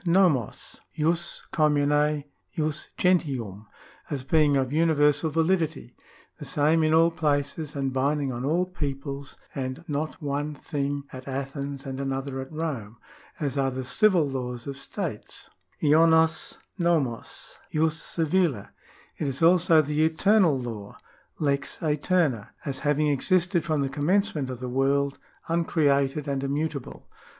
j^o'/xof, jus commune, jus gentium), as being of universal validity, the same in all places and binding on all peoples, and § 16] OTHER KINDS OF LAW 45 not one thing at Athens and another at Rome, as are the civil laws of states (loio'i I'o/mo?, jus civile). It is also the Eternal Law (lex aeterna), as having existed from the commencement of the world, uncreated and immutable.